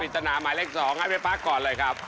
ปิจาระหมายเลข๒ให้เฟ้พักก่อนเลยครับ